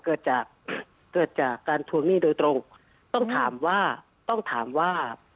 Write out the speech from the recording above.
เกิดจากเกิดจากการทวงหนี้โดยตรงต้องถามว่าต้องถามว่า